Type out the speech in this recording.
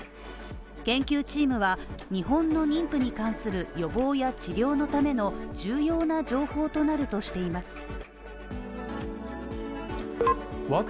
研究チームは、日本の妊婦に関する予防や治療のための重要な情報となるとしています。